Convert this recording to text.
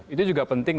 itu juga penting